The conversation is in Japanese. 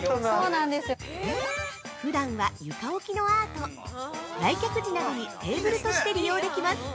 ◆普段は床置きのアート、来客時などにテーブルとして利用できます。